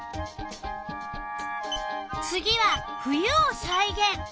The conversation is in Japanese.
次は冬をさいげん。